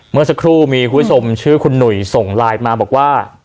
เมื่อสักครู่มีคุณผู้ชมชื่อคุณหนุ่ยส่งไลน์มาบอกว่า